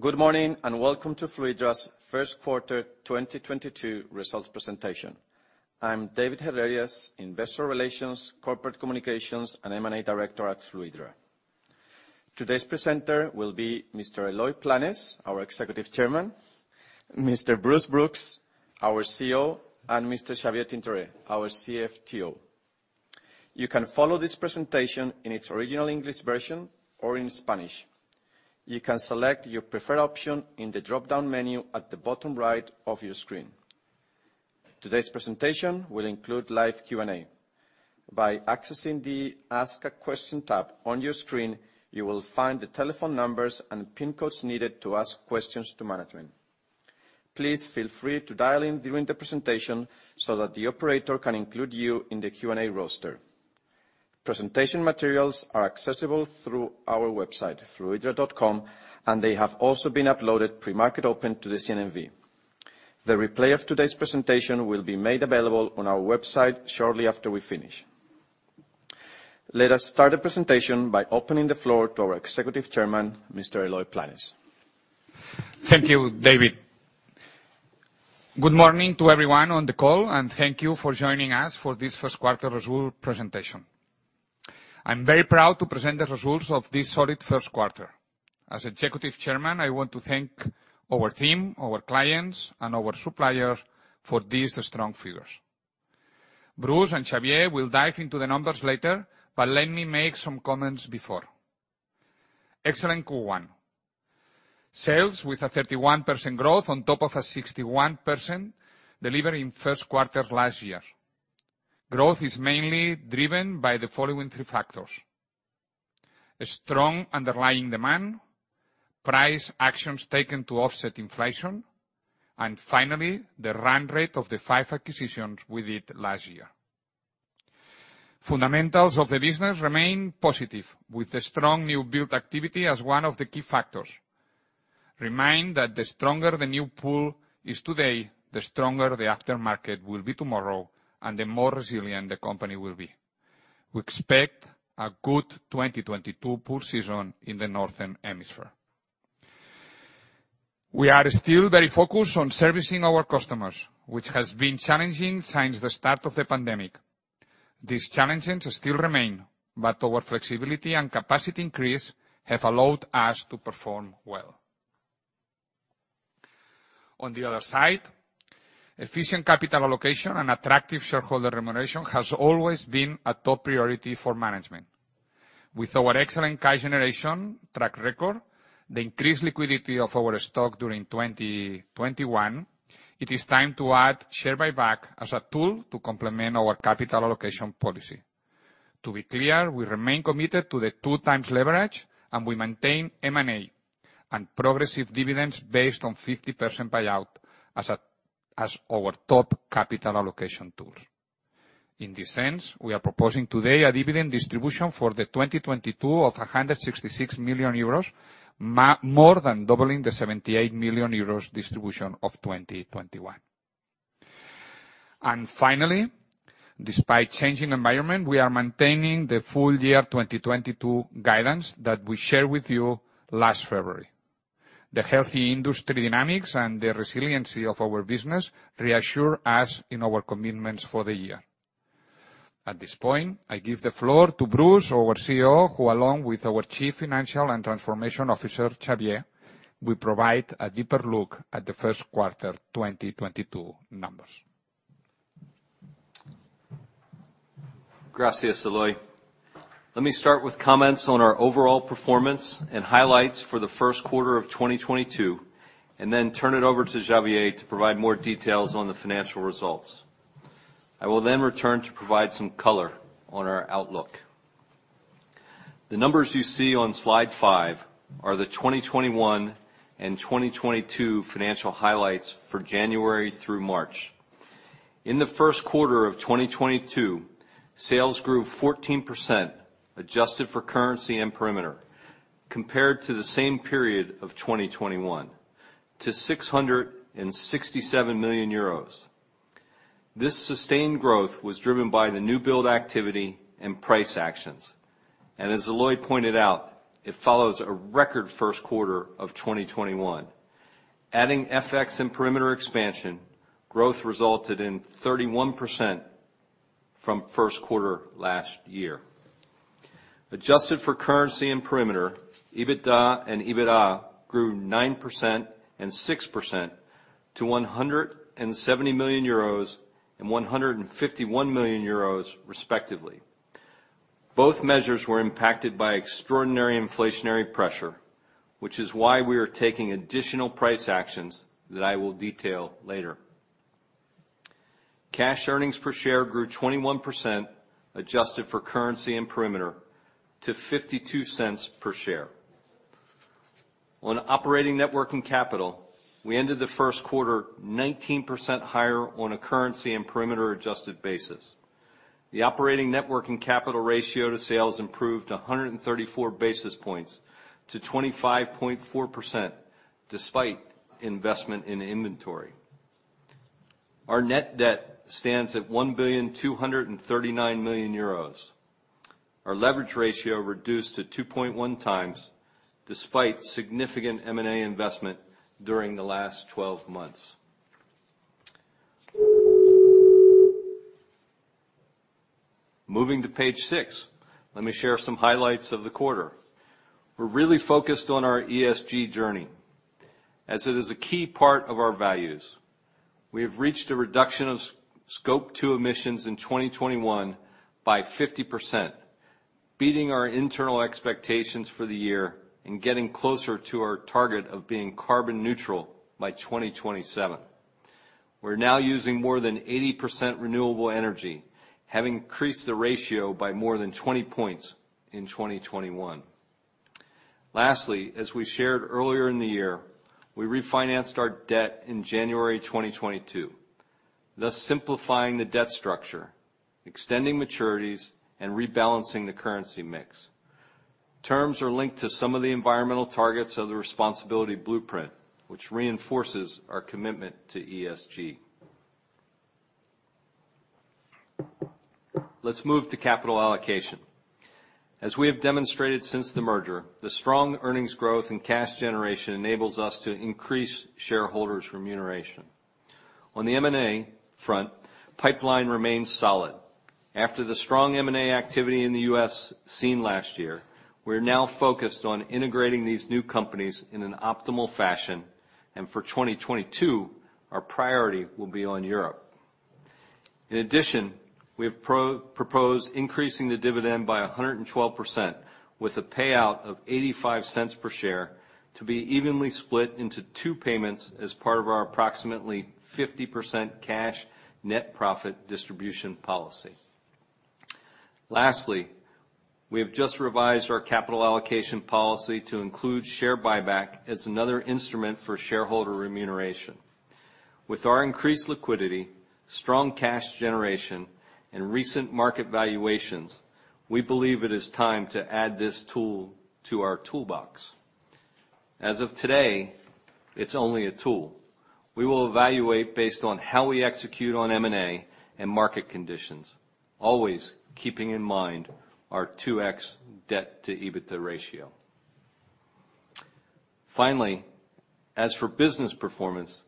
Good morning, and welcome to Fluidra's Q1 2022 results presentation. I'm David Herrerías, Investor Relations, Corporate Communications, and M&A Director at Fluidra. Today's presenter will be Mr. Eloy Planes, our Executive Chairman, Mr. Bruce Brooks, our CEO, and Mr. Xavier Tintoré, our CFTO. You can follow this presentation in its original English version or in Spanish. You can select your preferred option in the dropdown menu at the bottom right of your screen. Today's presentation will include live Q&A. By accessing the Ask a Question tab on your screen, you will find the telephone numbers and PIN codes needed to ask questions to management. Please feel free to dial in during the presentation so that the operator can include you in the Q&A roster. Presentation materials are accessible through our website, fluidra.com, and they have also been uploaded pre-market open to the CNMV. The replay of today's presentation will be made available on our website shortly after we finish. Let us start the presentation by opening the floor to our Executive Chairman, Mr. Eloy Planes. Thank you, David. Good morning to everyone on the call, and thank you for joining us for this Q1 result presentation. I'm very proud to present the results of this solid Q1. As Executive Chairman, I want to thank our team, our clients, and our suppliers for these strong figures. Bruce and Xavier will dive into the numbers later, but let me make some comments before. Excellent Q1. Sales with a 31% growth on top of a 61% delivered in Q1 last year. Growth is mainly driven by the following three factors, a strong underlying demand, price actions taken to offset inflation, and finally, the run rate of the five acquisitions we did last year. Fundamentals of the business remain positive with the strong new build activity as one of the key factors. Remember that the stronger the new pool is today, the stronger the aftermarket will be tomorrow, and the more resilient the company will be. We expect a good 2022 pool season in the northern hemisphere. We are still very focused on servicing our customers, which has been challenging since the start of the pandemic. These challenges still remain, but our flexibility and capacity increase have allowed us to perform well. On the other side, efficient capital allocation and attractive shareholder remuneration has always been a top priority for management. With our excellent cash generation track record, the increased liquidity of our stock during 2021, it is time to add share buyback as a tool to complement our capital allocation policy. To be clear, we remain committed to the 2x leverage, and we maintain M&A and progressive dividends based on 50% buyout as our top capital allocation tools. In this sense, we are proposing today a dividend distribution for 2022 of 166 million euros, more than doubling the 78 million euros distribution of 2021. Finally, despite changing environment, we are maintaining the full year 2022 guidance that we shared with you last February. The healthy industry dynamics and the resiliency of our business reassure us in our commitments for the year. At this point, I give the floor to Bruce, our CEO, who along with our Chief Financial and Transformation Officer, Xavier, will provide a deeper look at the Q1 2022 numbers. Gracias, Eloy. Let me start with comments on our overall performance and highlights for the Q1 of 2022, and then turn it over to Xavier to provide more details on the financial results. I will then return to provide some color on our outlook. The numbers you see on slide five are the 2021 and 2022 financial highlights for January through March. In the Q1 of 2022, sales grew 14%, adjusted for currency and perimeter, compared to the same period of 2021 to 667 million euros. This sustained growth was driven by the new build activity and price actions. As Eloy pointed out, it follows a record Q1 of 2021. Adding FX and perimeter expansion, growth resulted in 31% from Q1 last year. Adjusted for currency and perimeter, EBITDA and EBITA grew 9% and 6% to 170 million euros and 151 million euros, respectively. Both measures were impacted by extraordinary inflationary pressure, which is why we are taking additional price actions that I will detail later. Cash earnings per share grew 21%, adjusted for currency and perimeter, to 0.52 per share. On operating net working capital, we ended the Q1 19% higher on a currency and perimeter adjusted basis. The operating net working capital ratio to sales improved 134 basis points to 25.4% despite investment in inventory. Our net debt stands at 1.239 billion euros. Our leverage ratio reduced to 2.1x despite significant M&A investment during the last twelve months. Moving to page six, let me share some highlights of the quarter. We're really focused on our ESG journey, as it is a key part of our values. We have reached a reduction of Scope 2 emissions in 2021 by 50%, beating our internal expectations for the year, and getting closer to our target of being carbon neutral by 2027. We're now using more than 80% renewable energy, having increased the ratio by more than 20 points in 2021. Lastly, as we shared earlier in the year, we refinanced our debt in January 2022, thus simplifying the debt structure, extending maturities, and rebalancing the currency mix. Terms are linked to some of the environmental targets of the Responsibility Blueprint, which reinforces our commitment to ESG. Let's move to capital allocation. As we have demonstrated since the merger, the strong earnings growth and cash generation enables us to increase shareholders remuneration. On the M&A front, pipeline remains solid. After the strong M&A activity in the U.S. seen last year, we're now focused on integrating these new companies in an optimal fashion, and for 2022, our priority will be on Europe. In addition, we have proposed increasing the dividend by 112% with a payout of 0.85 per share to be evenly split into two payments as part of our approximately 50% cash net profit distribution policy. Lastly, we have just revised our capital allocation policy to include share buyback as another instrument for shareholder remuneration. With our increased liquidity, strong cash generation, and recent market valuations, we believe it is time to add this tool to our toolbox. As of today, it's only a tool. We will evaluate based on how we execute on M&A and market conditions, always keeping in mind our 2x debt to EBITDA ratio. Finally, as for business performance,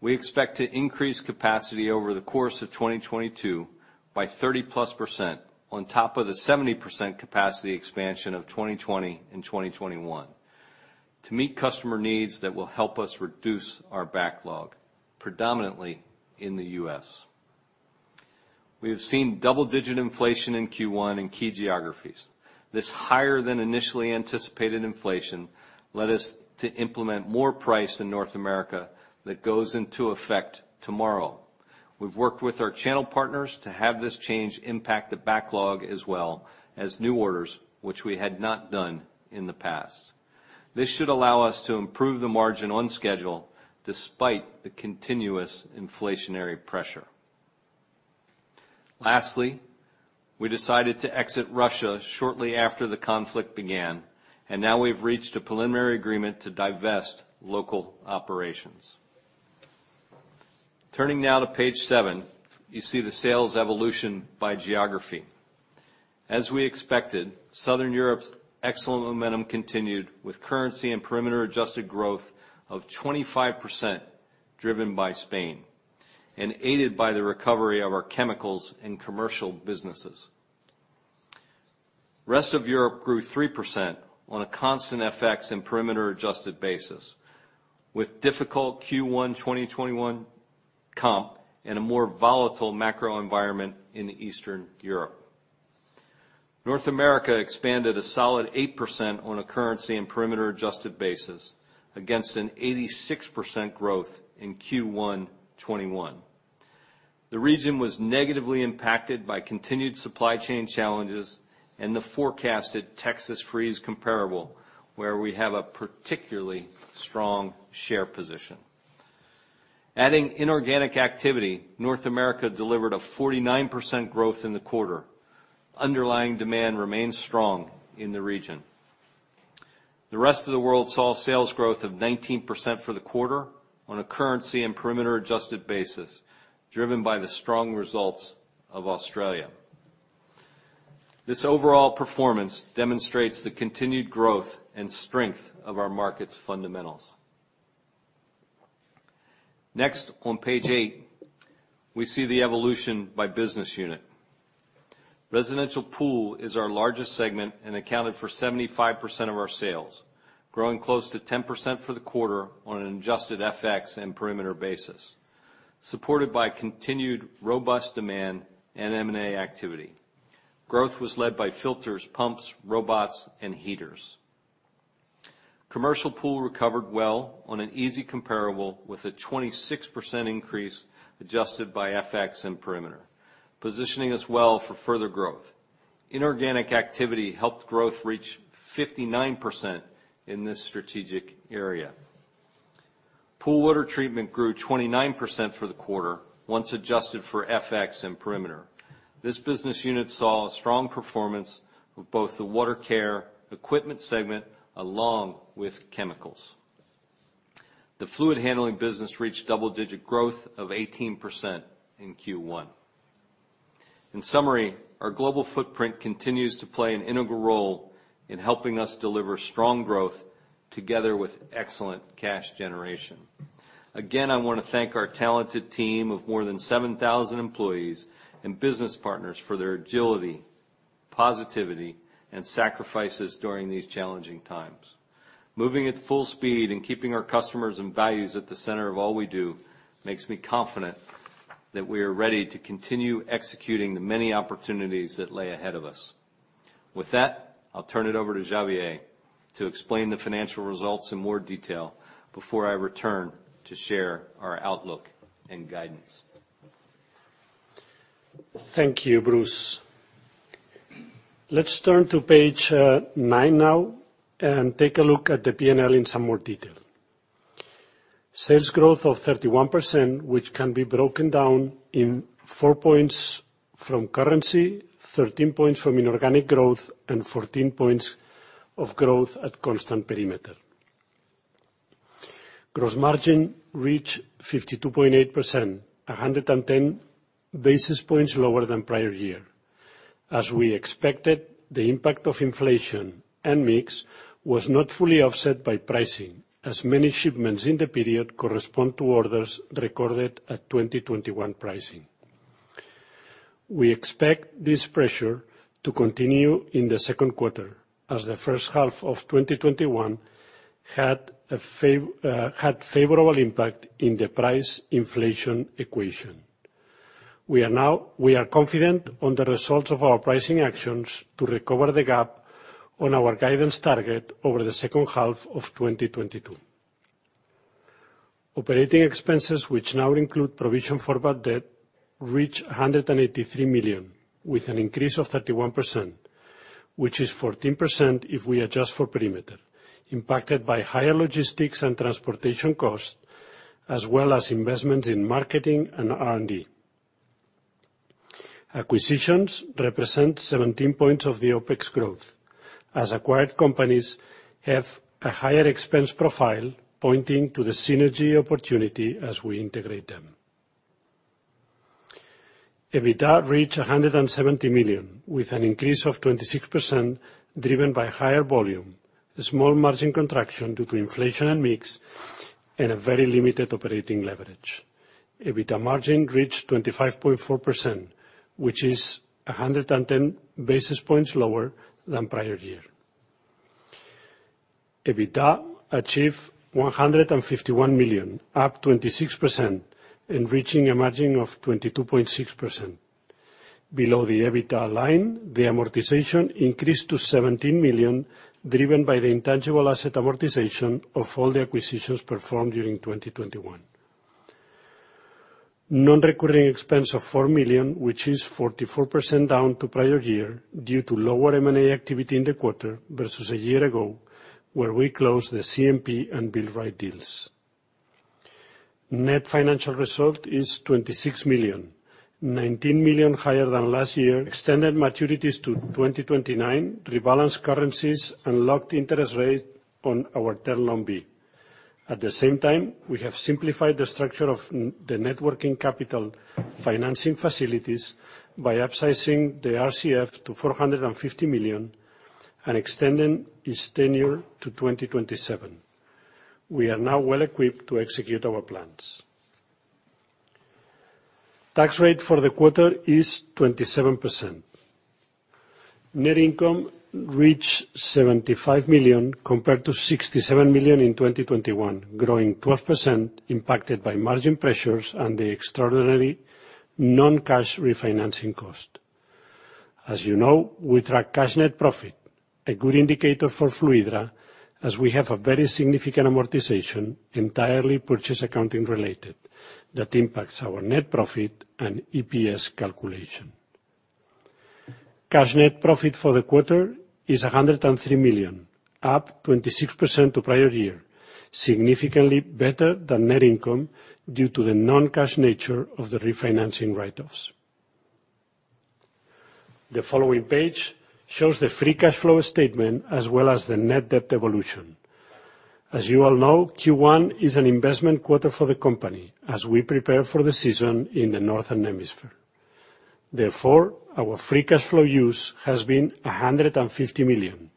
we expect to increase capacity over the course of 2022 by 30%+ on top of the 70% capacity expansion of 2020 and 2021, to meet customer needs that will help us reduce our backlog, predominantly in the U.S. We have seen double-digit inflation in Q1 in key geographies. This higher than initially anticipated inflation led us to implement price increases in North America that go into effect tomorrow. We've worked with our channel partners to have this change impact the backlog as well as new orders, which we had not done in the past. This should allow us to improve the margin on schedule despite the continuous inflationary pressure. Lastly, we decided to exit Russia shortly after the conflict began, and now we've reached a preliminary agreement to divest local operations. Turning now to page seven, you see the sales evolution by geography. As we expected, Southern Europe's excellent momentum continued with currency and perimeter adjusted growth of 25% driven by Spain, and aided by the recovery of our chemicals and commercial businesses. Rest of Europe grew 3% on a constant FX and perimeter adjusted basis with difficult Q1 2021 comps and a more volatile macro environment in Eastern Europe. North America expanded a solid 8% on a currency and perimeter adjusted basis against an 86% growth in Q1 2021. The region was negatively impacted by continued supply chain challenges, and the forecasted Texas freeze comparable, where we have a particularly strong share position. Adding inorganic activity, North America delivered a 49% growth in the quarter. Underlying demand remains strong in the region. The rest of the world saw sales growth of 19% for the quarter on a currency and perimeter adjusted basis, driven by the strong results of Australia. This overall performance demonstrates the continued growth and strength of our market's fundamentals. Next, on page eight, we see the evolution by business unit. Residential pool is our largest segment and accounted for 75% of our sales, growing close to 10% for the quarter on an adjusted FX and perimeter basis, supported by continued robust demand and M&A activity. Growth was led by filters, pumps, robots, and heaters. Commercial pool recovered well on an easy comparable with a 26% increase adjusted by FX and perimeter, positioning us well for further growth. Inorganic activity helped growth reach 59% in this strategic area. Pool water treatment grew 29% for the quarter once adjusted for FX and perimeter. This business unit saw a strong performance with both the water care equipment segment along with chemicals. The fluid handling business reached double-digit growth of 18% in Q1. In summary, our global footprint continues to play an integral role in helping us deliver strong growth together with excellent cash generation. Again, I want to thank our talented team of more than 7,000 employees and business partners for their agility, positivity, and sacrifices during these challenging times. Moving at full speed and keeping our customers and values at the center of all we do, makes me confident that we are ready to continue executing the many opportunities that lay ahead of us. With that, I'll turn it over to Xavier to explain the financial results in more detail before I return to share our outlook and guidance. Thank you, Bruce. Let's turn to page nine now and take a look at the P&L in some more detail. Sales growth of 31%, which can be broken down in 4 points from currency, 13 points from inorganic growth, and 14 points of growth at constant perimeter. Gross margin reached 52.8%, 110 basis points lower than prior year. As we expected, the impact of inflation and mix was not fully offset by pricing, as many shipments in the period correspond to orders recorded at 2021 pricing. We expect this pressure to continue in the Q2 as the first half of 2021 had favorable impact in the price inflation equation. We are confident on the results of our pricing actions to recover the gap on our guidance target over the second half of 2022. Operating expenses, which now include provision for bad debt, reached 183 million, with an increase of 31%, which is 14% if we adjust for perimeter, impacted by higher logistics and transportation costs, as well as investments in marketing and R&D. Acquisitions represent 17 points of the OpEx growth, as acquired companies have a higher expense profile pointing to the synergy opportunity as we integrate them. EBITDA reached 170 million, with an increase of 26%, driven by higher volume, a small margin contraction due to inflation and mix, and a very limited operating leverage. EBITDA margin reached 25.4%, which is 110 basis points lower than prior year. EBITDA achieved 151 million, up 26%, and reaching a margin of 22.6%. Below the EBITDA line, the amortization increased to 17 million, driven by the intangible asset amortization of all the acquisitions performed during 2021. Non-recurring expense of 4 million, which is 44% down to prior year due to lower M&A activity in the quarter versus a year ago, where we closed the CMP and Built Right deals. Net financial result is 26 million, 19 million higher than last year. Extended maturities to 2029, rebalanced currencies, and locked interest rate on our Term Loan B. At the same time, we have simplified the structure of the net working capital financing facilities by upsizing the RCF to 450 million and extending its tenure to 2027. We are now well-equipped to execute our plans. Tax rate for the quarter is 27%. Net income reached 75 million compared to 67 million in 2021, growing 12% impacted by margin pressures, and the extraordinary non-cash refinancing cost. As you know, we track cash net profit, a good indicator for Fluidra, as we have a very significant amortization, entirely purchase accounting related, that impacts our net profit and EPS calculation. Cash net profit for the quarter is 103 million, up 26% to prior year, significantly better than net income due to the non-cash nature of the refinancing write-offs. The following page shows the free cash flow statement as well as the net debt evolution. As you all know, Q1 is an investment quarter for the company as we prepare for the season in the northern hemisphere. Therefore, our free cash flow use has been 150 million.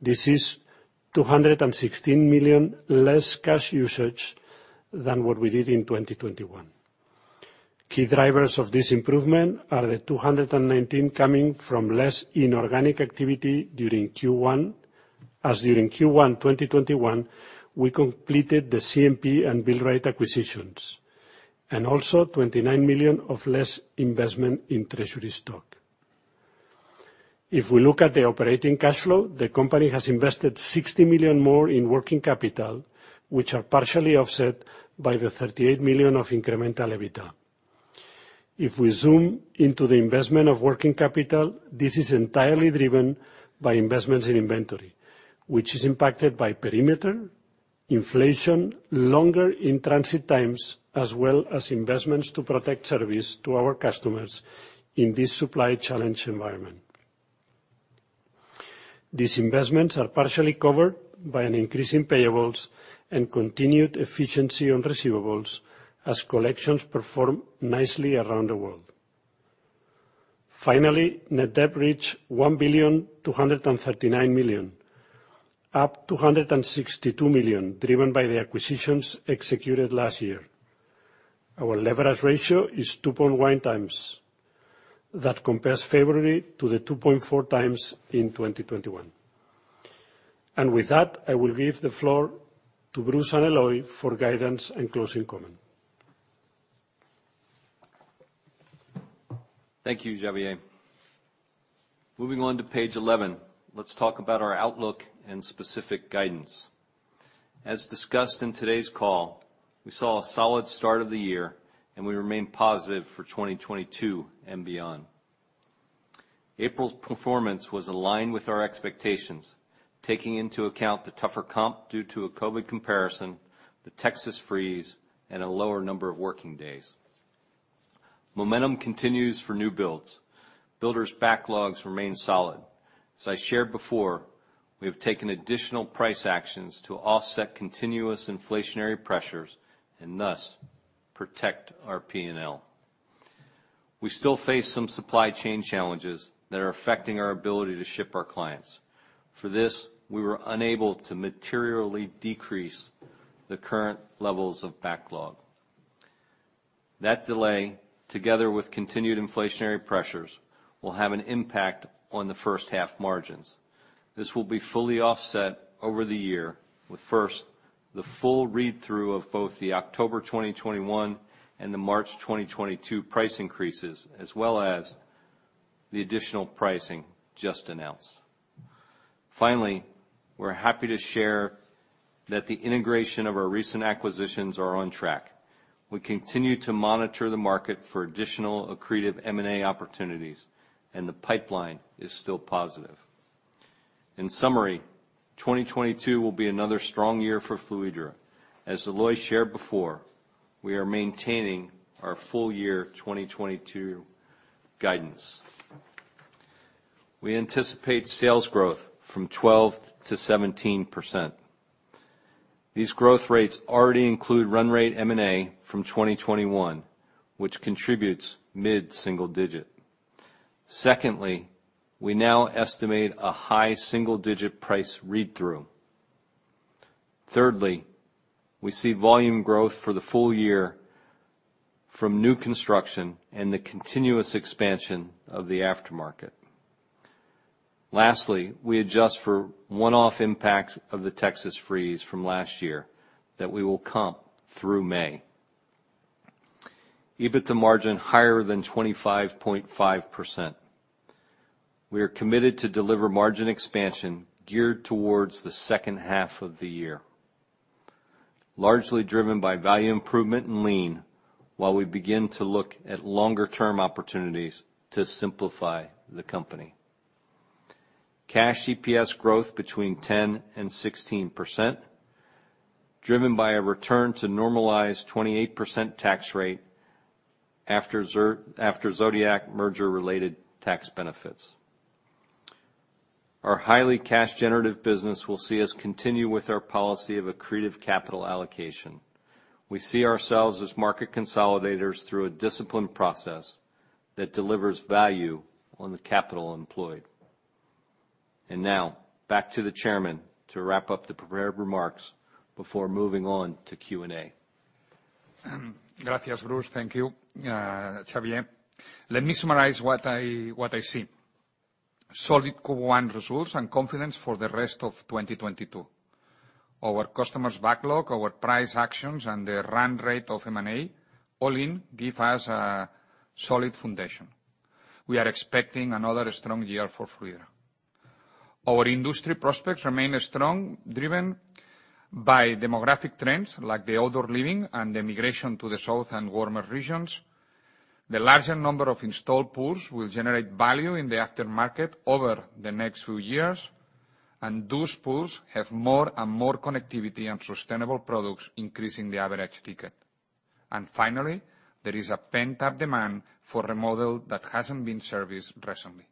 This is 216 million less cash usage than what we did in 2021. Key drivers of this improvement are the 219 million coming from less inorganic activity during Q1, as during Q1 2021, we completed the CMP and Built Right acquisitions, and also 29 million of less investment in treasury stock. If we look at the operating cash flow, the company has invested 60 million more in working capital, which are partially offset by the 38 million of incremental EBITDA. If we zoom into the investment of working capital, this is entirely driven by investments in inventory, which is impacted by perimeter. Inflation, longer in transit times, as well as investments to protect service to our customers in this supply-challenged environment. These investments are partially covered by an increase in payables and continued efficiency on receivables as collections perform nicely around the world. Finally, net debt reached 1,239 million, up 262 million, driven by the acquisitions executed last year. Our leverage ratio is 2.1x. That compares favorably to the 2.4x in 2021. With that, I will give the floor to Bruce and Eloy for guidance and closing comment. Thank you, Xavier. Moving on to page 11, let's talk about our outlook and specific guidance. As discussed in today's call, we saw a solid start of the year, and we remain positive for 2022 and beyond. April's performance was aligned with our expectations, taking into account the tougher comp due to a COVID comparison, the Texas freeze, and a lower number of working days. Momentum continues for new builds. Builders' backlogs remain solid. As I shared before, we have taken additional price actions to offset continuous inflationary pressures, and thus protect our P&L. We still face some supply chain challenges that are affecting our ability to ship our clients. For this, we were unable to materially decrease the current levels of backlog. That delay, together with continued inflationary pressures, will have an impact on the first half margins. This will be fully offset over the year with first, the full read-through of both the October 2021 and the March 2022 price increases, as well as the additional pricing just announced. Finally, we're happy to share that the integration of our recent acquisitions are on track. We continue to monitor the market for additional accretive M&A opportunities, and the pipeline is still positive. In summary, 2022 will be another strong year for Fluidra. As Eloy shared before, we are maintaining our full year 2022 guidance. We anticipate sales growth from 12%-17%. These growth rates already include run rate M&A from 2021, which contributes mid-single-digit. Secondly, we now estimate a high single-digit price read-through. Thirdly, we see volume growth for the full year from new construction and the continuous expansion of the aftermarket. Lastly, we adjust for one-off impact of the Texas freeze from last year that we will comp through May. EBITDA margin higher than 25.5%. We are committed to deliver margin expansion geared towards the second half of the year, largely driven by value improvement and lean, while we begin to look at longer term opportunities to simplify the company. Cash EPS growth between 10% and 16%, driven by a return to normalized 28% tax rate after Zodiac merger-related tax benefits. Our highly cash generative business will see us continue with our policy of accretive capital allocation. We see ourselves as market consolidators through a disciplined process that delivers value on the capital employed. Now back to the chairman to wrap up the prepared remarks before moving on to Q&A. Gracias, Bruce. Thank you, Xavier. Let me summarize what I see. Solid Q1 results and confidence for the rest of 2022. Our customers' backlog, our price actions, and the run rate of M&A all in give us a solid foundation. We are expecting another strong year for Fluidra. Our industry prospects remain strong, driven by demographic trends like the outdoor living and the migration to the south and warmer regions. The larger number of installed pools will generate value in the aftermarket over the next few years, and those pools have more and more connectivity and sustainable products, increasing the average ticket. Finally, there is a pent-up demand for a model that hasn't been serviced recently.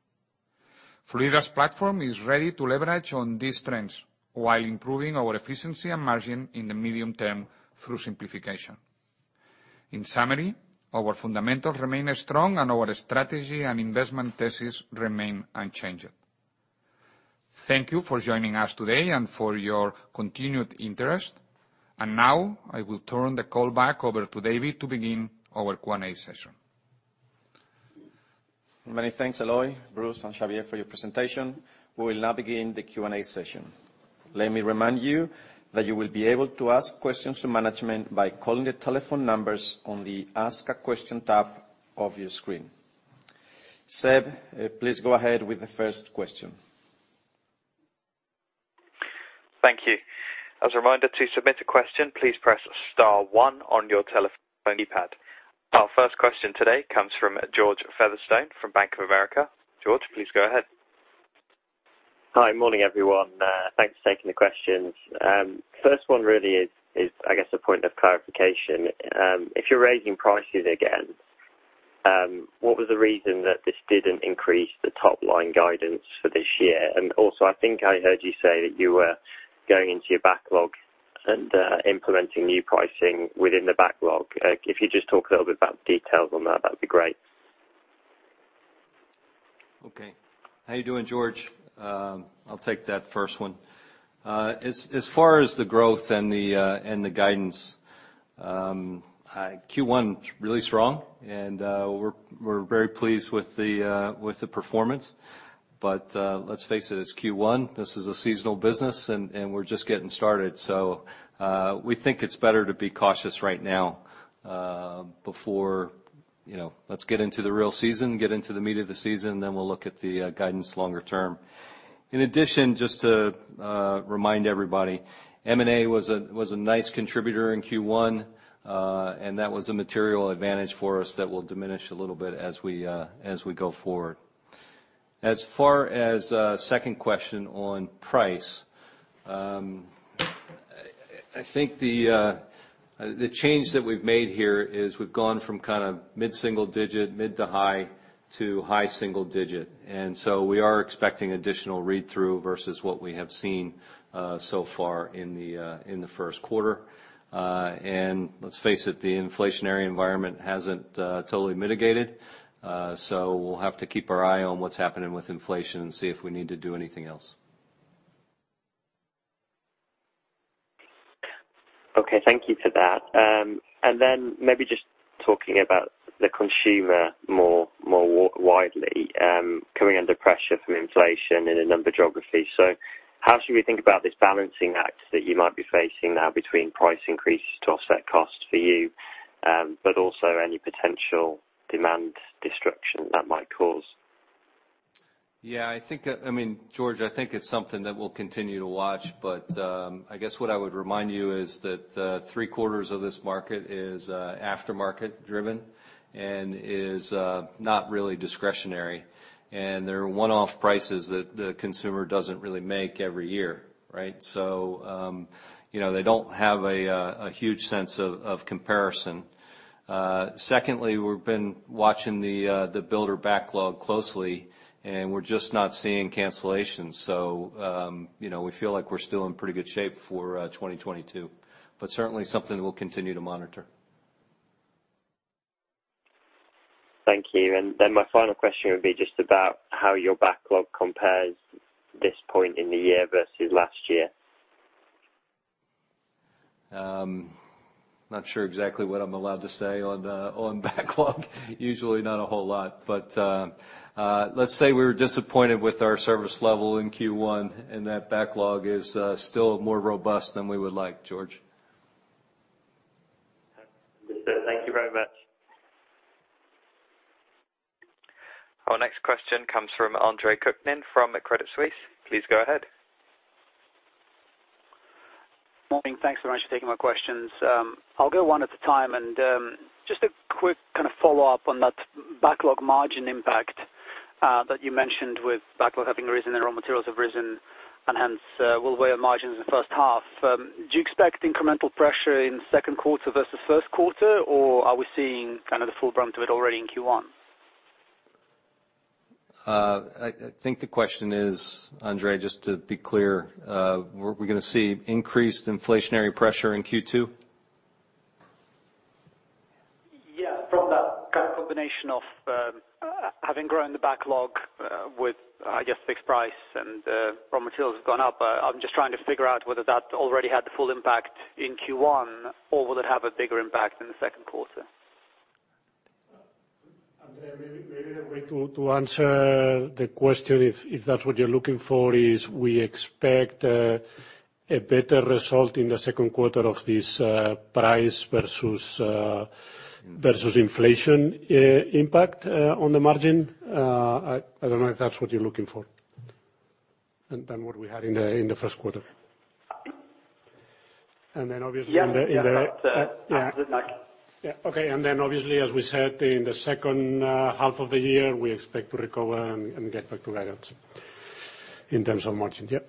Fluidra's platform is ready to leverage on these trends while improving our efficiency and margin in the medium term through simplification. In summary, our fundamentals remain strong and our strategy and investment thesis remain unchanged. Thank you for joining us today and for your continued interest. Now I will turn the call back over to David to begin our Q&A session. Many thanks, Eloy, Bruce, and Xavier for your presentation. We will now begin the Q&A session. Let me remind you that you will be able to ask questions to management by calling the telephone numbers on the Ask a Question tab of your screen. Seb, please go ahead with the first question. Thank you. As a reminder, to submit a question, please press star one on your telephone keypad. Our first question today comes from George Featherstone from Bank of America. George, please go ahead. Hi, morning, everyone. Thanks for taking the questions. First one really is, I guess, a point of clarification. If you're raising prices again, what was the reason that this didn't increase the top-line guidance for this year? Also, I think I heard you say that you were going into your backlog and implementing new pricing within the backlog. If you just talk a little bit about the details on that'd be great. Okay. How you doing, George? I'll take that first one. As far as the growth and the guidance, Q1's really strong, and we're very pleased with the performance. Let's face it's Q1. This is a seasonal business, and we're just getting started. We think it's better to be cautious right now, before you know, let's get into the real season, get into the meat of the season, then we'll look at the guidance longer term. In addition, just to remind everybody, M&A was a nice contributor in Q1, and that was a material advantage for us that will diminish a little bit as we go forward. As far as second question on price, I think the change that we've made here is we've gone from kind of mid-single digit, mid to high, to high single digit. We are expecting additional read-through versus what we have seen so far in the Q1. Let's face it, the inflationary environment hasn't totally mitigated, so we'll have to keep our eye on what's happening with inflation and see if we need to do anything else. Okay, thank you for that. Maybe just talking about the consumer more widely, coming under pressure from inflation in a number of geographies. How should we think about this balancing act that you might be facing now between price increases to offset costs for you, but also any potential demand destruction that might cause? Yeah, I think that, I mean, George, I think it's something that we'll continue to watch. I guess what I would remind you is that three-quarters of this market is aftermarket driven and is not really discretionary. They're one-off prices that the consumer doesn't really make every year, right? You know, they don't have a huge sense of comparison. Secondly, we've been watching the builder backlog closely, and we're just not seeing cancellations. You know, we feel like we're still in pretty good shape for 2022. Certainly something we'll continue to monitor. Thank you. My final question would be just about how your backlog compares at this point in the year versus last year. Not sure exactly what I'm allowed to say on backlog. Usually not a whole lot. Let's say we were disappointed with our service level in Q1, and that backlog is still more robust than we would like, George. Understood. Thank you very much. Our next question comes from Andre Kukhnin from Credit Suisse. Please go ahead. Morning. Thanks very much for taking my questions. I'll go one at a time. Just a quick kind of follow-up on that backlog margin impact, that you mentioned with backlog having risen and raw materials have risen and hence, will weigh on margins in the first half. Do you expect incremental pressure in Q2 versus Q1 or are we seeing kind of the full brunt of it already in Q1? I think the question is, Andre, just to be clear, were we going to see increased inflationary pressure in Q2? Yeah, from that kind of combination of, having grown the backlog, with, I guess, fixed price and, raw materials have gone up. I'm just trying to figure out whether that already had the full impact in Q1, or will it have a bigger impact in the Q2? Andre, maybe the way to answer the question if that's what you're looking for is we expect a better result in the Q2 of this price versus inflation impact on the margin. I don't know if that's what you're looking for. Than what we had in the Q1. Uh. Obviously in the. Yeah. Yeah. That. Uh. That's it. Gotcha. Yeah. Okay. Then obviously, as we said, in the second half of the year, we expect to recover and get back to that in terms of margin. Yeah.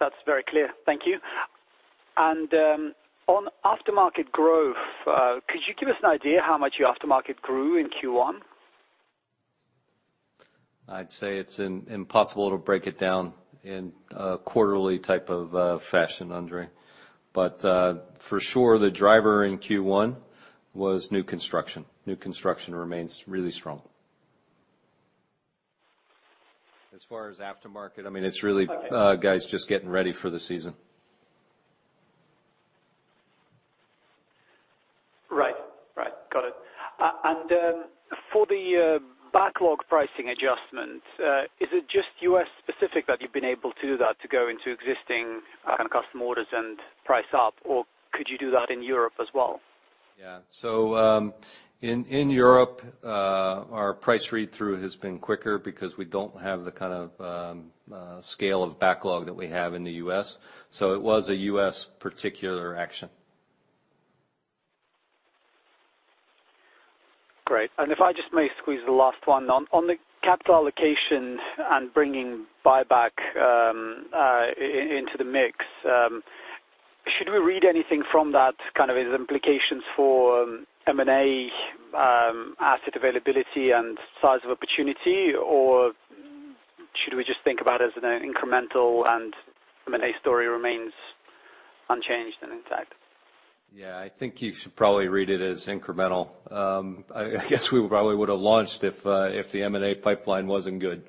That's very clear. Thank you. On aftermarket growth, could you give us an idea how much your aftermarket grew in Q1? I'd say it's impossible to break it down in a quarterly type of fashion, Andre. For sure the driver in Q1 was new construction. New construction remains really strong. As far as aftermarket, I mean, it's really. Okay. Guys just getting ready for the season. Right. Got it. For the backlog pricing adjustment, is it just U.S. specific that you've been able to do that, to go into existing kind of custom orders and price up, or could you do that in Europe as well? Yeah. In Europe, our price read-through has been quicker because we don't have the kind of scale of backlog that we have in the U.S. It was a U.S. particular action. Great. If I just may squeeze the last one. On the capital allocation and bringing buyback into the mix, should we read anything from that kind of as implications for M&A, asset availability and size of opportunity? Or should we just think about it as an incremental and M&A story remains unchanged and intact? Yeah, I think you should probably read it as incremental. I guess we probably would have launched if the M&A pipeline wasn't good.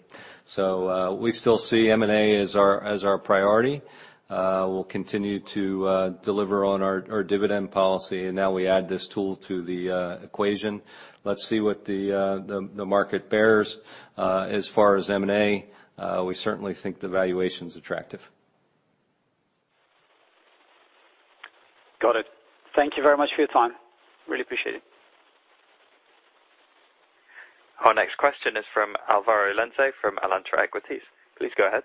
We still see M&A as our priority. We'll continue to deliver on our dividend policy, and now we add this tool to the equation. Let's see what the market bears. As far as M&A, we certainly think the valuation's attractive. Got it. Thank you very much for your time. Really appreciate it. Our next question is from Álvaro Lenze from Alantra Equities. Please go ahead.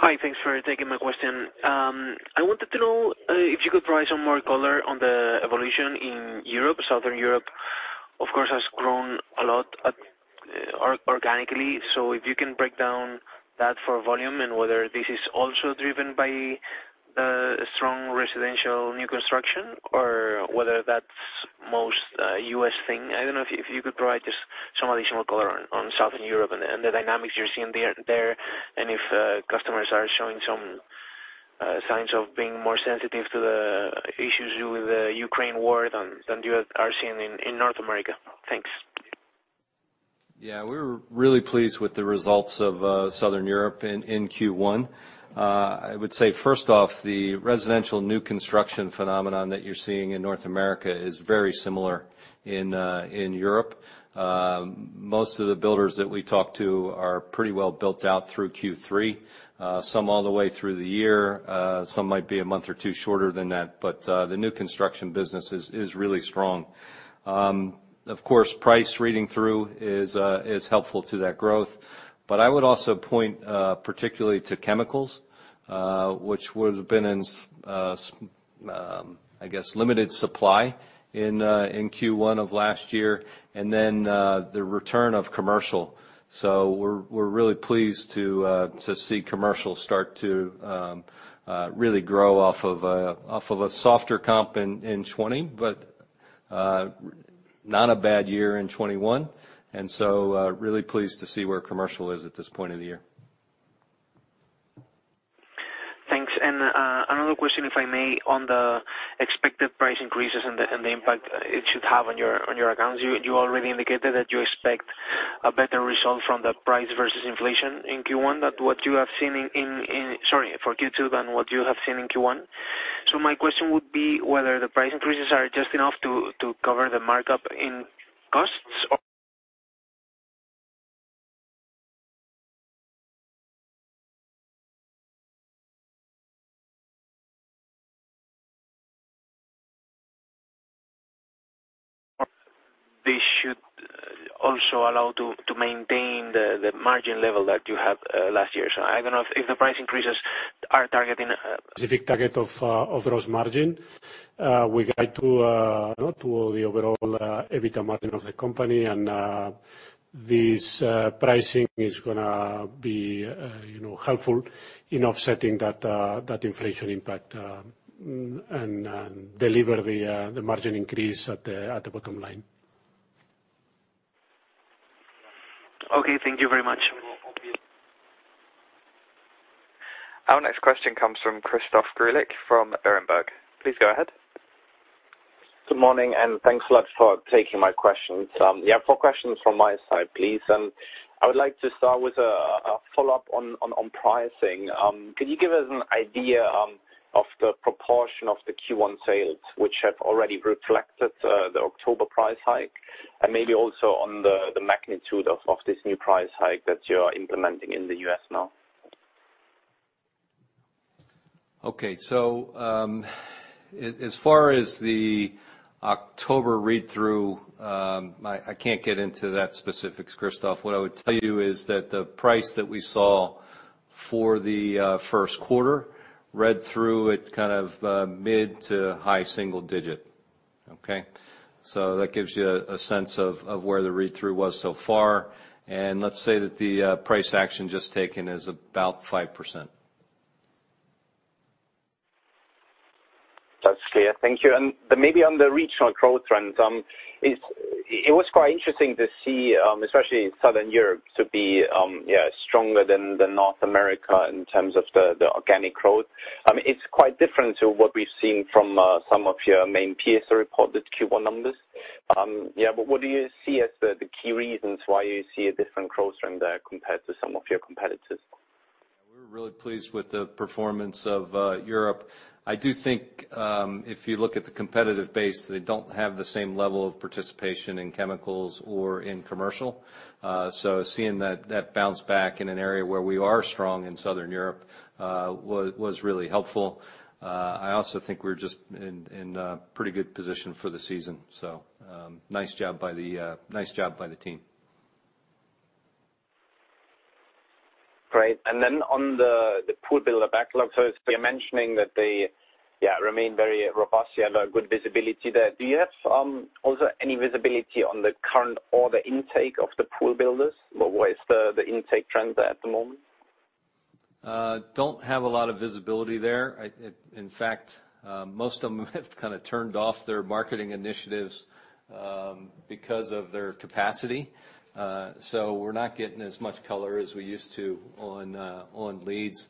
Hi. Thanks for taking my question. I wanted to know if you could provide some more color on the evolution in Europe. Southern Europe, of course, has grown a lot organically. If you can break down that for volume, and whether this is also driven by the strong residential new construction or whether that's most U.S. thing. I don't know if you could provide just some additional color on Southern Europe and the dynamics you're seeing there and if customers are showing some signs of being more sensitive to the issues with the Ukraine war than you are seeing in North America. Thanks. Yeah. We're really pleased with the results of Southern Europe in Q1. I would say first off, the residential new construction phenomenon that you're seeing in North America is very similar in Europe. Most of the builders that we talk to are pretty well built out through Q3, some all the way through the year, some might be a month or two shorter than that, but the new construction business is really strong. Of course, price reading through is helpful to that growth. I would also point particularly to chemicals, which would have been in, I guess, limited supply in Q1 of last year, and then the return of commercial. We're really pleased to see commercial start to really grow off of a softer comp in 2020, but not a bad year in 2021. Really pleased to see where commercial is at this point in the year. Thanks. Another question, if I may, on the expected price increases and the impact it should have on your accounts. You already indicated that you expect a better result from the price versus inflation in Q2 than what you have seen in Q1. My question would be whether the price increases are just enough to cover the markup in costs or this should also allow to maintain the margin level that you had last year. I don't know if the price increases are targeting a. Specific target of gross margin. We guide to the overall EBITDA margin of the company, and this pricing is going to be, you know, helpful in offsetting that inflation impact, and deliver the margin increase at the bottom line. Okay. Thank you very much. Our next question comes from Christoph Greulich from Berenberg. Please go ahead. Good morning, thanks a lot for taking my questions. Yeah, four questions from my side, please. I would like to start with a follow-up on pricing. Could you give us an idea of the proportion of the Q1 sales which have already reflected the October price hike, and maybe also on the magnitude of this new price hike that you're implementing in the US now? Okay. As far as the October read-through, I can't get into those specifics, Christoph. What I would tell you is that the price that we saw for the Q1 read-through at kind of mid- to high-single-digit, okay? That gives you a sense of where the read-through was so far. Let's say that the price action just taken is about 5%. That's clear. Thank you. Maybe on the regional growth trends, it was quite interesting to see, especially in Southern Europe to be stronger than North America in terms of the organic growth. I mean, it's quite different to what we've seen from some of your main peers who reported Q1 numbers. What do you see as the key reasons why you see a different growth trend there compared to some of your competitors? We're really pleased with the performance of Europe. I do think if you look at the competitive base, they don't have the same level of participation in chemicals or in commercial. Seeing that bounce back in an area where we are strong in Southern Europe was really helpful. I also think we're just in a pretty good position for the season. Nice job by the team. On the pool builder backlog. You're mentioning that they, yeah, remain very robust. You have a good visibility there. Do you have also any visibility on the current order intake of the pool builders? What is the intake trend there at the moment? Don't have a lot of visibility there. In fact, most of them have kind of turned off their marketing initiatives because of their capacity. We're not getting as much color as we used to on leads.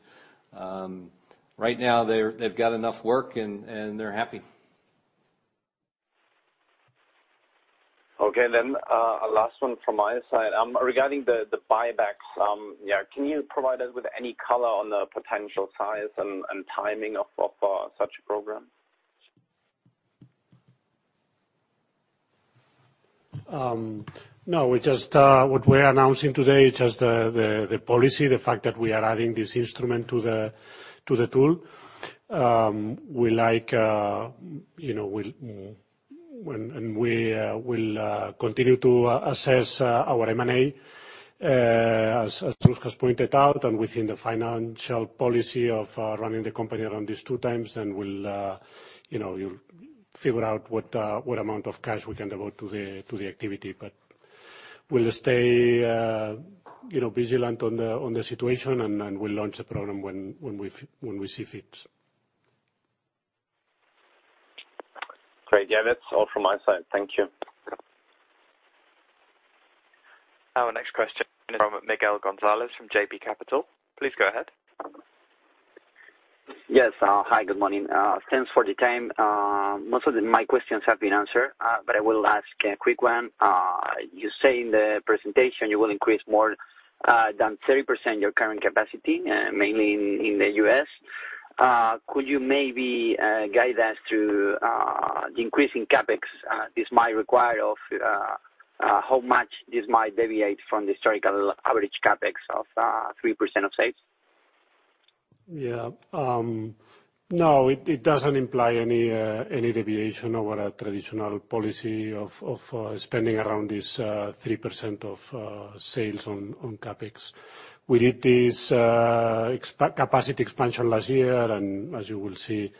Right now, they've got enough work and they're happy. Okay, last one from my side. Regarding the buybacks, yeah, can you provide us with any color on the potential size and timing of such a program? No. What we're announcing today is just the policy, the fact that we are adding this instrument to the tool. We like, you know, and we will continue to assess our M&A. As Bruce has pointed out, and within the financial policy of running the company around these two times, then we'll, you know, figure out what amount of cash we can devote to the activity. We'll stay, you know, vigilant on the situation and we'll launch a program when we see fit. Great. Yeah, that's all from my side. Thank you. Our next question from Miguel González from JB Capital. Please go ahead. Yes. Hi, good morning. Thanks for the time. Most of my questions have been answered, but I will ask a quick one. You say in the presentation you will increase more than 30% your current capacity, mainly in the US. Could you maybe guide us to the increase in CapEx this might require and how much this might deviate from the historical average CapEx of 3% of sales? Yeah. No, it doesn't imply any deviation over our traditional policy of spending around this 3% of sales on CapEx. We did this capacity expansion last year, and as you will see,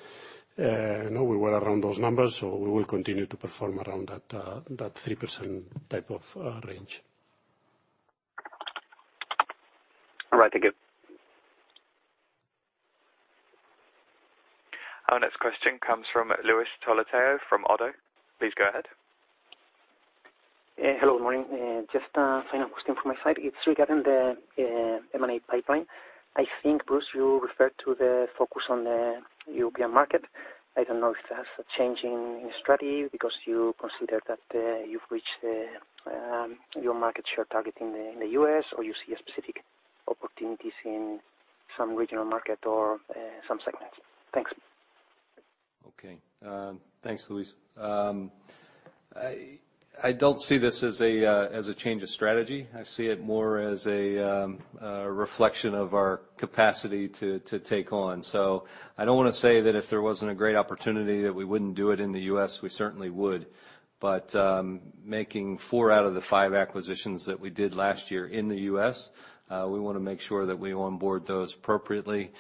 you know, we were around those numbers, so we will continue to perform around that 3% type of range. All right, thank you. Our next question comes from Luis Toledo from ODDO. Please go ahead. Hello, good morning. Just a final question from my side. It's regarding the M&A pipeline. I think, Bruce, you referred to the focus on the European market. I don't know if that's a change in strategy because you consider that you've reached your market share target in the U.S. or you see a specific opportunities in some regional market or some segments. Thanks. Okay. Thanks, Luis. I don't see this as a change of strategy. I see it more as a reflection of our capacity to take on. I don't want to say that if there wasn't a great opportunity that we wouldn't do it in the US, we certainly would. Making four out of the five acquisitions that we did last year in the U.S., we want to make sure that we onboard those appropriately.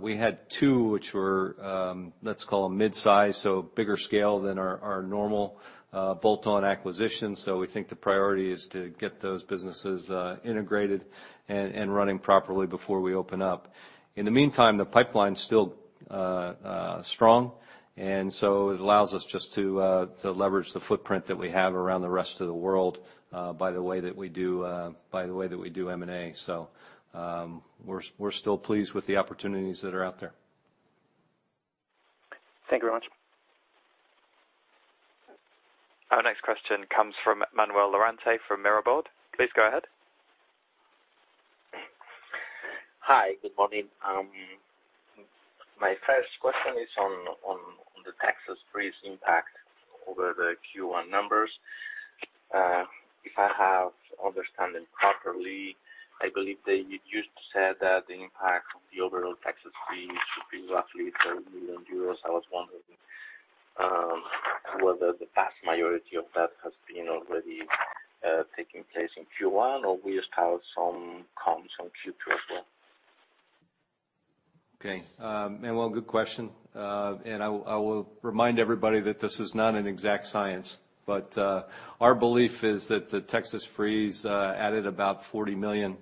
We had two which were, let's call them mid-size, so bigger scale than our normal bolt-on acquisition. We think the priority is to get those businesses integrated and running properly before we open up. In the meantime, the pipeline's still strong. It allows us just to leverage the footprint that we have around the rest of the world by the way that we do M&A. We're still pleased with the opportunities that are out there. Thank you very much. Our next question comes from Manuel Lorente from Mirabaud. Please go ahead. Hi, good morning. My first question is on the Texas freeze impact over the Q1 numbers. If I have understand it properly, I believe that you just said that the impact of the overall Texas freeze should be roughly 30 million euros. I was wondering whether the vast majority of that has been already taking place in Q1 or we just have some costs on Q2 as well. Okay. Manuel, good question. I will remind everybody that this is not an exact science, but our belief is that the Texas freeze added about 40 million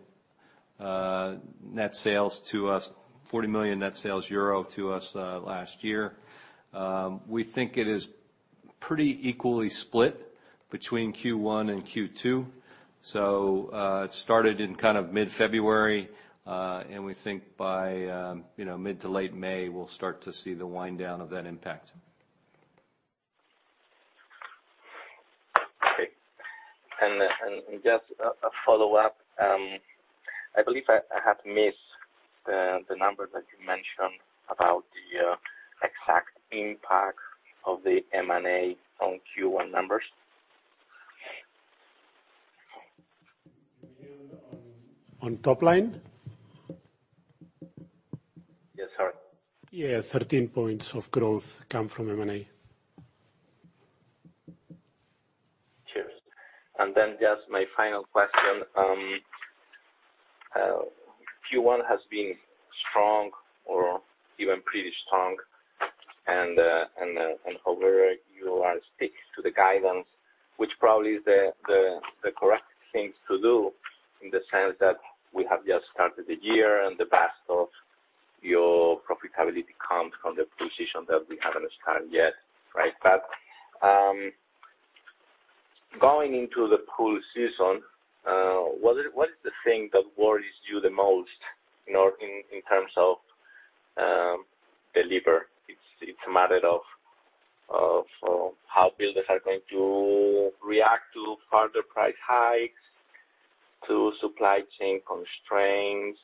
net sales to us last year. We think it is pretty equally split between Q1 and Q2. It started in kind of mid-February, and we think by, you know, mid to late May, we'll start to see the wind down of that impact. Okay. Just a follow-up. I believe I have missed the numbers that you mentioned about the exact impact of the M&A on Q1 numbers. You mean on top line? Yes, sir. Yeah, 13 points of growth come from M&A. Just my final question. Q1 has been strong or even pretty strong and you're sticking to the guidance, which probably is the correct things to do in the sense that we have just started the year and the best of your profitability comes from the portion that we haven't started yet, right? Going into the pool season, what is the thing that worries you the most in terms of delivery? It's a matter of how builders are going to react to further price hikes, to supply chain constraints,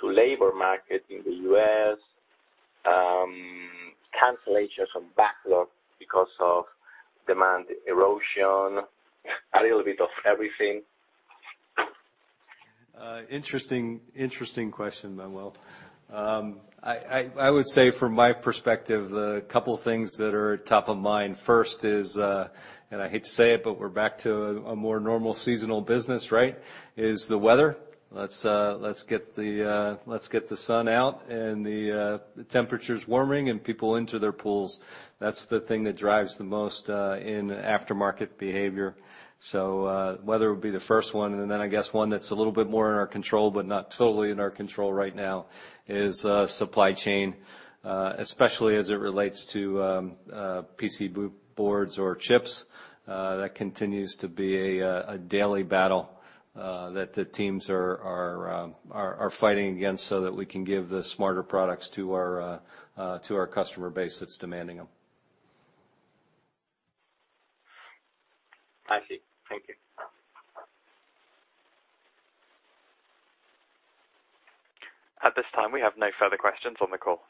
to labor market in the U.S., cancellations from backlog because of demand erosion, a little bit of everything. Interesting question, Manuel. I would say from my perspective, a couple things that are top of mind. First is, I hate to say it, but we're back to a more normal seasonal business, right, is the weather. Let's get the sun out and the temperatures warming and people into their pools. That's the thing that drives the most in aftermarket behavior. Weather will be the first one. Then I guess one that's a little bit more in our control, but not totally in our control right now is supply chain, especially as it relates to PC boards or chips. That continues to be a daily battle that the teams are fighting against so that we can give the smarter products to our customer base, Manuel. I see. Thank you. At this time, we have no further questions on the call.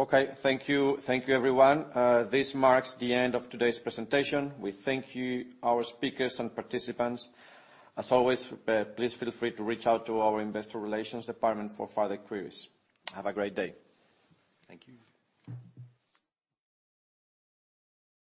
Okay. Thank you. Thank you, everyone. This marks the end of today's presentation. We thank you, our speakers and participants. As always, please feel free to reach out to our investor relations department for further queries. Have a great day. Thank you.